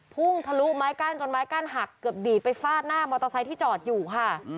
ทะลุไม้กั้นจนไม้กั้นหักเกือบดีดไปฟาดหน้ามอเตอร์ไซค์ที่จอดอยู่ค่ะ